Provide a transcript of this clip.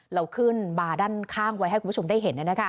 เราขึ้นบาร์ด้านข้างไว้ให้คุณผู้ชมได้เห็น